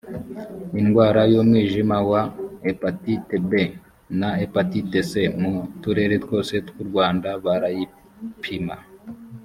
indwara y’umwijima wa hepatite b na hepatite c mu turere twose tw’u rwanda barayipima